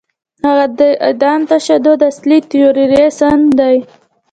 هغه د عدم تشدد اصلي تیوریسن دی.